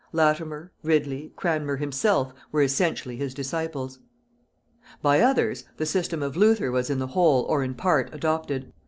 Latimer, Ridley, Cranmer himself, were essentially his disciples. By others, the system of Luther was in the whole or in part adopted.